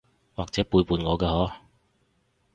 或者背叛我㗎嗬？